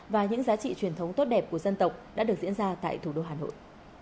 và những giá trị truyền thống tốt đẹp của dân tộc đã được diễn ra tại thủ đô hà nội